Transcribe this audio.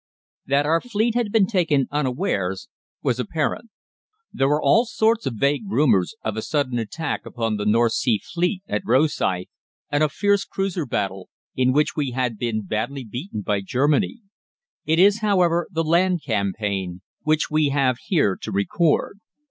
That our fleet had been taken unawares was apparent. There were all sorts of vague rumours of a sudden attack upon the North Sea Fleet at Rosyth, and a fierce cruiser battle, in which we had been badly beaten by Germany. It is, however, the land campaign which we have here to record.